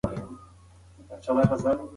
د شیطان لارې.